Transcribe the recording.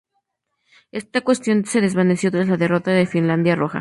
Esta cuestión se desvaneció tras la derrota de la Finlandia Roja.